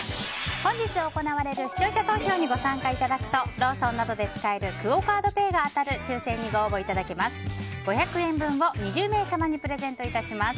本日行われる視聴者投票にご参加いただくとローソンなどで使えるクオ・カードペイが当たる抽選に、ご応募いただけます。